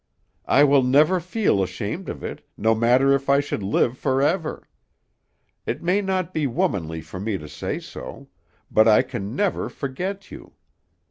"I will never feel ashamed of it, no matter if I should live forever. It may not be womanly for me to say so; but I can never forget you.